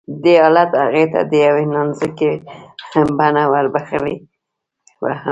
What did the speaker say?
دې حالت هغې ته د يوې نانځکې بڼه وربښلې وه